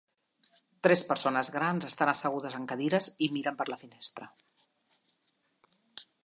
Tres persones grans estan assegudes en cadires i miren per la finestra.